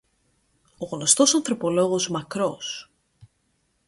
Ο γνωστός ανθρωπολόγος ΜακΡός